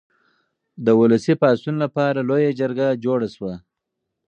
د ولسي پاڅون لپاره لویه جرګه جوړه شوه.